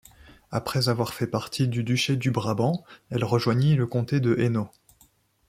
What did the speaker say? Après avoir fait partie du duché du Brabant, elle rejoignit le comté de Hainaut.